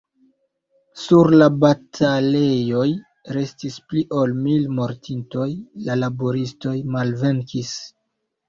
Sur la batalejoj restis pli ol mil mortintoj; la laboristoj malvenkis.